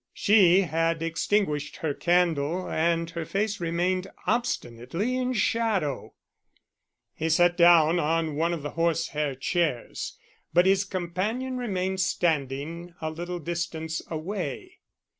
She had extinguished her candle, and her face remained obstinately in shadow. He sat down on one of the horsehair chairs; but his companion remained standing a little distance away.